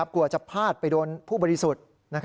กลัวจะพลาดไปโดนผู้บริสุทธิ์